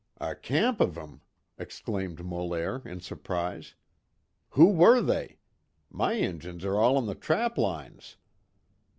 "A camp of 'em!" exclaimed Molaire, in surprise. "Who were they? My Injuns are all on the trap lines."